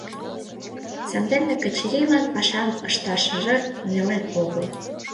Сандене Качырийлан пашам ышташыже неле огыл.